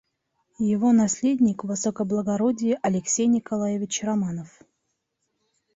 Его наследник высокоблагородие Алексей Николаевич Романов.